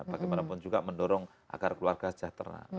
bagaimanapun juga mendorong agar keluarga sejahtera